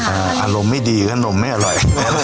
อารมณ์ไม่ดีก็อารมณ์ไม่อร่อย